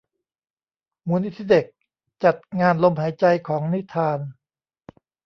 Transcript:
มูลนิธิเด็กจัดงานลมหายใจของนิทาน